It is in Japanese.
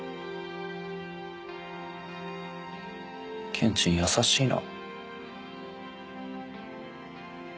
ケンチン優しいな。